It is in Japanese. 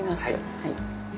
はい。